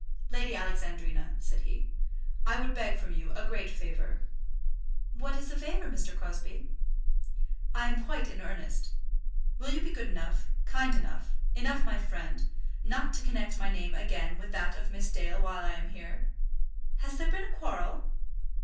"Lady Alexandrina," said he, "I would beg from you a great favour." "What is the favour, Mr. Crosbie?" "I am quite in earnest. Will you be good enough, kind enough, enough my friend, not to connect my name again with that of Miss Dale while I am here?" "Has there been a quarrel?"